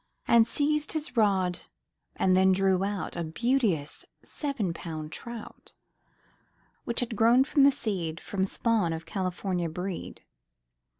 And seized his rod and then drew out A beauteous seven pound trout, Which had grown from the seed From spawn of California breed.